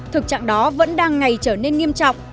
thực trạng đó vẫn đang ngày trở nên nghiêm trọng